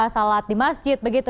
salat di masjid begitu